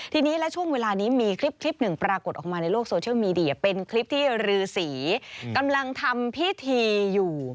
ทีนี้และช่วงเวลานี้มีคลิปหนึ่งปรากฏออกมาในโลกโซเชียลมีเดียเป็นคลิปที่รือสีกำลังทำพิธีอยู่